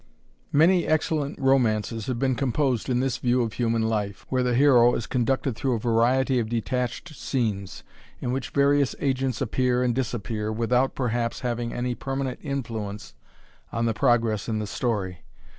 Many excellent romances have been composed in this view of human life, where the hero is conducted through a variety of detached scenes, in which various agents appear and disappear, without, perhaps, having any permanent influence on the progress of the story.